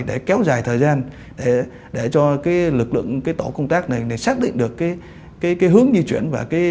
để kéo dài thời gian để cho lực lượng tổ công tác này xác định được hướng di chuyển và